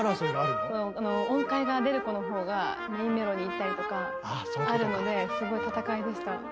音階が出る子のほうがメインメロにいったりとかあるのですごい戦いでした。